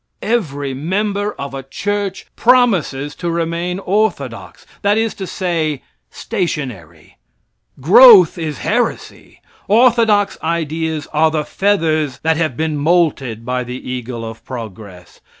Every member of a church promises to remain orthodox, that is to say stationary. Growth is heresy. Orthodox ideas are the feathers that have been molted by the eagle of progress.